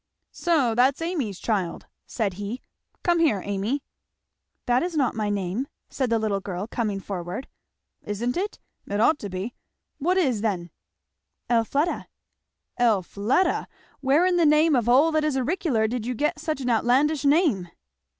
"So that's Amy's child," said he. "Come here, Amy." "That is not my name," said the little girl coming forward. "Isn't it? It ought to be. What is then?" "Elfleda." "Elfleda! Where in the name of all that is auricular did you get such an outlandish name?"